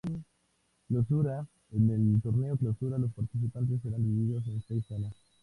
Clausura: En el torneo clausura, los participantes serán divididos en seis zonas.